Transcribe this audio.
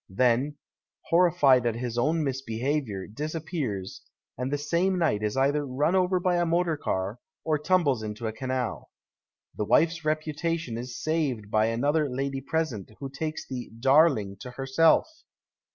; then, horrified at his own misbehaviour, disappears, and the same night is either run over by a motor car or tumbles into a canal. The wife's reputation is saved by another lady present, who takes the " darling !" to herself.